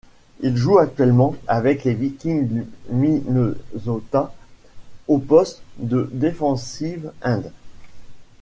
Il joue actuellement avec les Vikings du Minnesota au poste de defensive end.